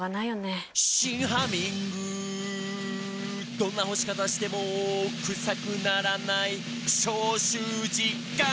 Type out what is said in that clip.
「どんな干し方してもクサくならない」「消臭実感！」